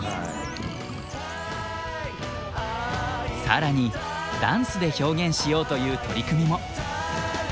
更にダンスで表現しようという取り組みも。